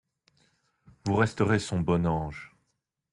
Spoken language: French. Vous resterez son bon ange.